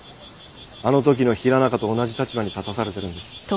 あの時の平中と同じ立場に立たされてるんです。